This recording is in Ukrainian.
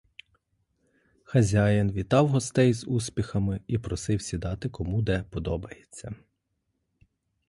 Хазяїн вітав гостей з успіхами і просив сідати кому де подобається.